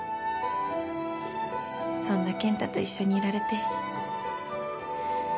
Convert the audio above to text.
そんな健太と一緒にいられて。